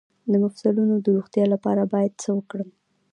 د مفصلونو د روغتیا لپاره باید څه وکړم؟